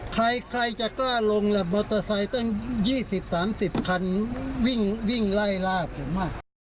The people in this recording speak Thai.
ใครจะกล้าลงแหละมอเตอร์ไซค์ตั้ง๒๐๓๐คันวิ่งไล่ล่าผมอ่ะ